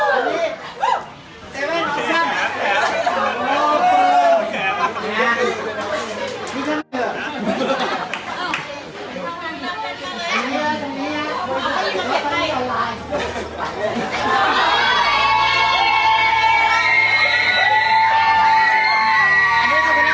อันนี้เซเว่นสามสี่ครับโอ้คือออกมางานนี่ก็ไม่เหลือ